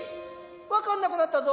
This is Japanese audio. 分かんなくなったぞ。